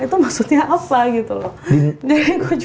itu maksudnya apa gitu loh